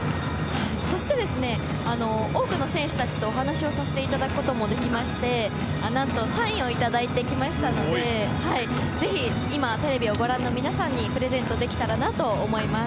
そして、多くの選手たちとお話をさせていただくこともできまして何と、サインをいただいてきましたのでぜひ今、テレビをご覧の皆さんにプレゼントできたらと思います。